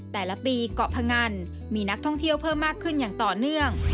แต่ละปีเกาะพงันมีนักท่องเที่ยวเพิ่มมากขึ้นอย่างต่อเนื่อง